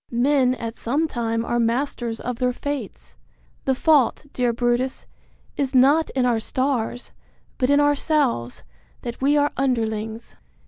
Men at some time are masters of their fates: The fault, dear Brutus, is not in our stars, but in ourselves, that we are underlings.